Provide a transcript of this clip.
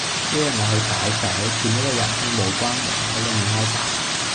一日我去解手,見一位仁兄冇關門系裏面開大